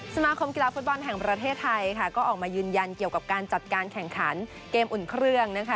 สมาคมกีฬาฟุตบอลแห่งประเทศไทยค่ะก็ออกมายืนยันเกี่ยวกับการจัดการแข่งขันเกมอุ่นเครื่องนะคะ